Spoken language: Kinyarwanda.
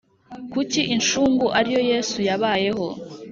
Kuki incungu ari yo yesu yabayeho